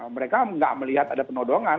mereka nggak melihat ada penodongan